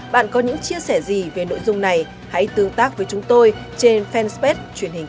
bạn có những chia sẻ gì về nội dung này hãy tương tác với chúng tôi trên fenspet truyền hình công an nhân dân